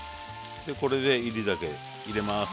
これで煎り酒入れます。